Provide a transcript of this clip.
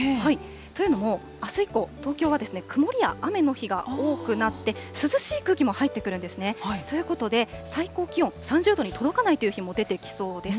というのも、あす以降、東京も曇りや雨の日が多くなって、涼しい空気も入ってくるんですね。ということで、最高気温、３０度に届かないという日も出てきそうです。